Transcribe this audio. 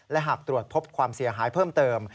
และหากตรวจพบความเสียหายเพิ่มเติม